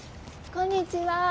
こんにちは。